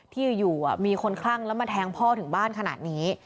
ที่อยู่มีคนคลั่งแล้วมาแทงพ่อถึงบ้านขนาดนี้